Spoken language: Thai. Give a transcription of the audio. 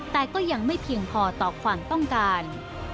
แต่ก็ยังไม่เพียงพอต่อความต้องการ